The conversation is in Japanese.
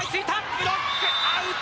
ブロックアウト